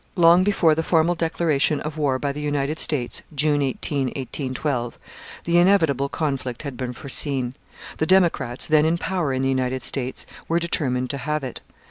Long before the formal declaration of was by the United States (June 18, 1812) the inevitable conflict had been foreseen. The Democrats, then in power in the United States, were determined to have it.